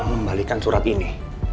membalikan surat ini